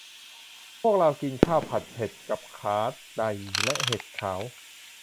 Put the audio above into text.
พวกเรากินข้าวผัดเผ็ดกับขาได่และเห็ดขาว